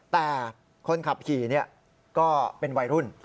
แต่คนขับขี่ก็เป็นวัยรุ่น